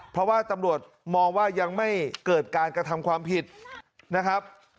เพราะว่าตำรวจมองว่ายังไม่เกิดการกระทำความผิดนะครับ